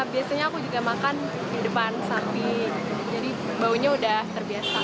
biasanya aku juga makan di depan sapi jadi baunya udah terbiasa